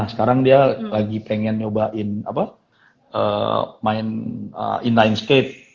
sekarang dia lagi pengen nyobain main inline skate